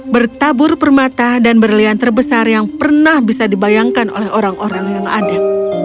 bertabur permata dan berlian terbesar yang pernah bisa dibayangkan oleh orang orang yang ada